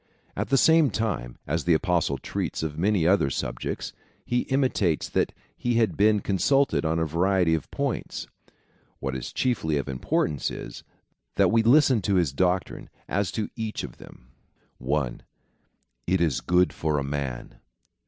At the same time, as the Apostle treats of many other subjects, he intimates that he had been consulted on a variety of points. What is chiefly of importance is, that we listen to his doctrine as to each of them. 1. It is good for a man.